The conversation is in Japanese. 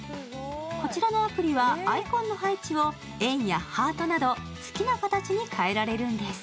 こちらのアプリはアイコンの配置を円やハートなど好きな形に変えられるんです。